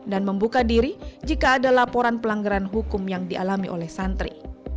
dan membuka diri jika ada laporan pelanggaran hukum yang dialami oleh santri